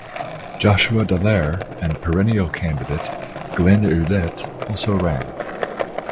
Joshua Dallaire and perennial candidate Glenn Ouellette also ran.